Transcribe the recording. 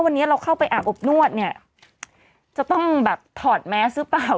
วันนี้เราเข้าไปอาบอบนวดเนี่ยจะต้องแบบถอดแมสหรือเปล่า